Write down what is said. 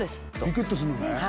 ビクっとするのね。